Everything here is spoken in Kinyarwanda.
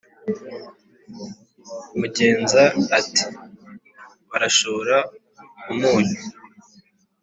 Mugenza ati"barashora umunyu "